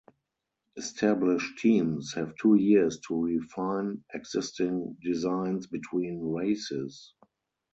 Established teams have two years to refine existing designs between rayces.